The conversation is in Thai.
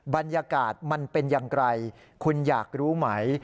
บรรยากาศมันเป็นอย่างไรคุณอยากรู้ไหม